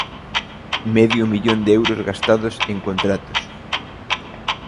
¡Medio millón de euros gastados en contratos!